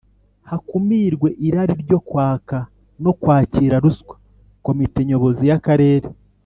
hakumirwe irari ryo kwaka no kwakira ruswa Komite Nyobozi y Akarere